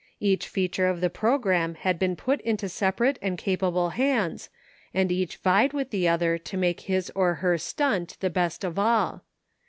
Ea(ch feature of the program had been put into separate and capable hands, and each vied with the other to make his or her stunt the best of all.